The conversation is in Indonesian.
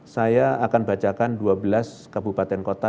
saya akan bacakan dua belas kabupaten kota